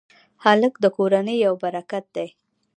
هلک د کورنۍ یو برکت دی.